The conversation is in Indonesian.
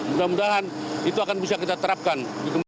mudah mudahan itu akan bisa kita terapkan